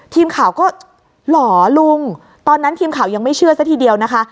ทีมข่าวก็หรอลุงตอนนั้นทีมข่าวยังไม่เชื่อซะทีเดียวนะคะ